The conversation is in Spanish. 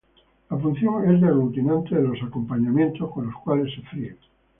La función es de aglutinante de los acompañamientos con los cuales se fríe.